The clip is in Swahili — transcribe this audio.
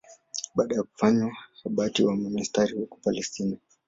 Baada ya kufanywa abati wa monasteri huko Palestina.